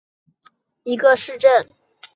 戈亚廷斯是巴西托坎廷斯州的一个市镇。